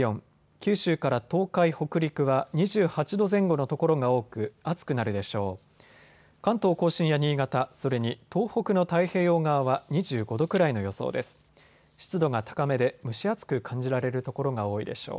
九州から東海、北陸は２８度前後の所が多く、暑くなるでしょう。